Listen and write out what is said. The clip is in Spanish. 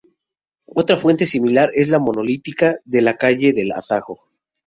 Otra fuente singular es la monolítica de la calle del Atajo.